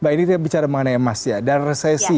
mbak ini kita bicara mengenai emas dan resesi